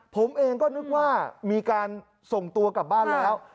ผมเองก็นึกว่ามีการส่งตัวกลับบ้านแล้ว